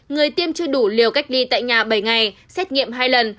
người tiêm chưa đủ liều cách ly tại nhà bảy ngày xét nghiệm hai lần